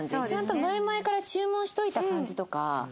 ちゃんと前々から注文しておいた感じとか。